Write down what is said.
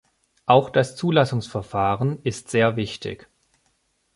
Auch das Zulassungsverfahren ist sehr wichtig.